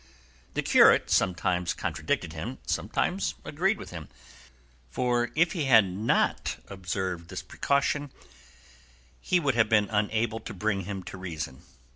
The curate sometimes contradicted him, sometimes agreed with him, for if he had not observed this precaution he would have been unable to bring him to reason.